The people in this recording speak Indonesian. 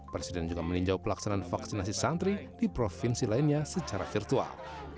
presiden juga meninjau pelaksanaan vaksinasi santri di provinsi lainnya secara virtual